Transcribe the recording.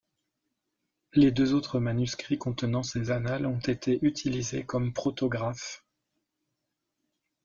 Les deux autres manuscrits contenant ces annales ont été utilisés comme protographes.